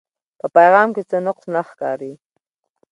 پۀ پېغام کښې څۀ نقص نۀ ښکاري